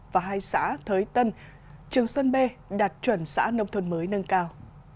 và hai xã thới tân trường xuân bê đạt chuẩn xã nông thôn mới nâng cao